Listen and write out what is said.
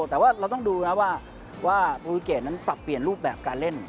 แต่ว่าเราต้องดูนะว่าโปรดิเกตนั้นปรับเปลี่ยนรูปแบบการเล่น